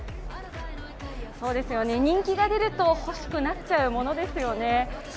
人気が出ると欲しくなっちゃうものですよね。